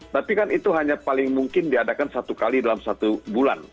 tapi kan itu hanya paling mungkin diadakan satu kali dalam satu bulan